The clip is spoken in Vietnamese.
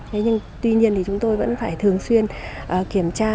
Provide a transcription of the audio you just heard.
thế nhưng tuy nhiên thì chúng tôi vẫn phải thường xuyên kiểm tra